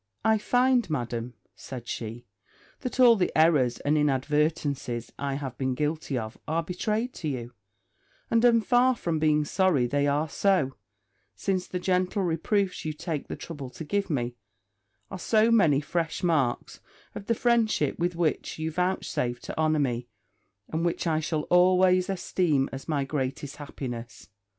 'I find, Madam,' said she, 'that all the errors and inadvertencies I have been guilty of are betrayed to you; and am far from being sorry they are so, since the gentle reproofs you take the trouble to give me, are so many fresh marks of the friendship with which you vouchsafe to honour me, and which I shall always esteem as my greatest happiness.